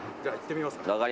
じゃあ行ってみますか。